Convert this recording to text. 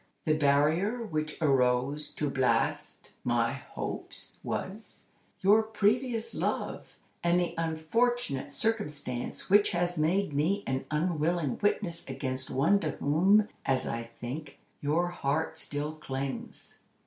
The barrier which arose to blast my hopes was, your previous love, and the unfortunate circumstance which has made me an unwilling witness against one to whom, as I think, your heart still clings."